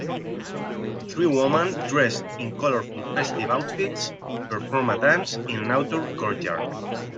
Three woman dressed in colorful festive outfits perform a dance in an outdoor courtyard.